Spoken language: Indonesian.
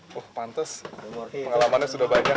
wah pantes pengalamannya sudah banyak